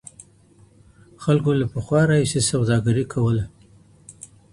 خلکو له پخوا راهیسې سوداګري کوله.